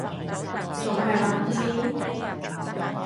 仲係冷戰????？